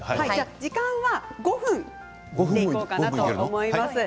時間は５分でいこうかなと思います。